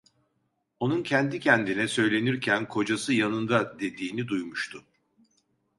Onun kendi kendine söylenirken "Kocası yanında!" dediğini duymuştu.